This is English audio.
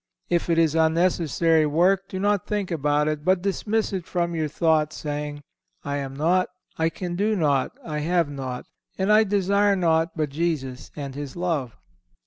If it is unnecessary work do not think about it, but dismiss it from your thoughts saying, "I am naught, I can do naught, I have naught, and I desire naught but Jesus and His love."